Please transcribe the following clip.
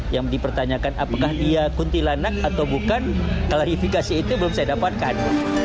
yang dipertanyakan apakah ia kuntilanak atau bukan klarifikasi itu belum saya dapatkan